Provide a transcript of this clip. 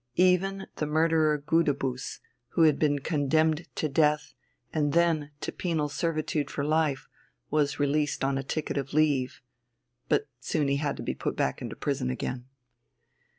Even the murderer Gudebus, who had been condemned to death, and then to penal servitude for life, was released on ticket of leave. But he soon had to be put back into prison again.